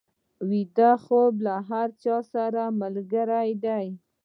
ویده خوب له هر چا سره ملګری دی